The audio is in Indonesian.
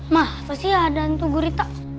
ma pasti ada hantu gurita